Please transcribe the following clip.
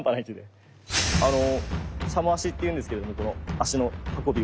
あの軍鶏足っていうんですけれどもこの足の運びを。